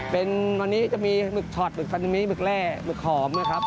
ตอนนี้จะมีหมึกฉอดหมึกสะนูนหมึกแร่หมึกหอมนะครับ